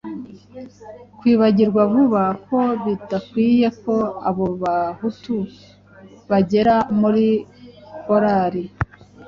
kwibagirwa vuba", ko bidakwiye ko abo Bahutu bagera muri korali,